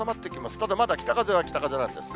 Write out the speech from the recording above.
ただまだ北風は北風なんですね。